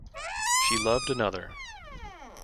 She loved another.